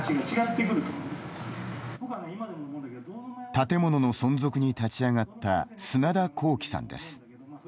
建物の存続に立ち上がった砂田光紀さんです。